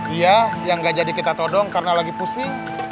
iya yang gak jadi kita todong karena lagi pusing